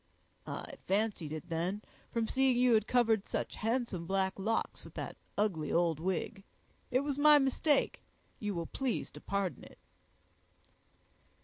"I fancied it then, from seeing you had covered such handsome black locks with that ugly old wig. It was my mistake; you will please to pardon it."